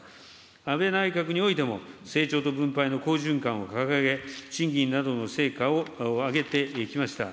安倍内閣においても、成長と分配の好循環を掲げ、賃金などの成果を上げてきました。